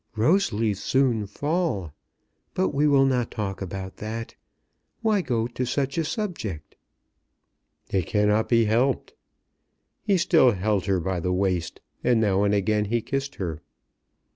"Rose leaves soon fall. But we will not talk about that. Why go to such a subject?" "It cannot be helped." He still held her by the waist, and now again he kissed her.